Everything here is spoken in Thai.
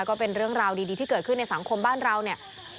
ก็เป็นเรื่องราวดีที่เกิดขึ้นในสังคมบ้านเราเนี่ย